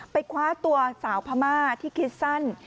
คว้าตัวสาวพม่าที่คิดสั้น